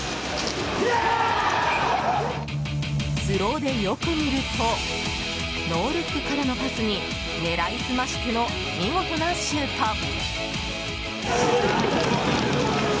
スローでよく見るとノールックからのパスに狙い澄ましての見事なシュート。